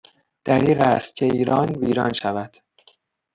دریغ است که ایران ویران شود